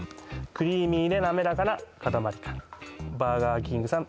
クリーミーで滑らかな塊感バーガーキングさん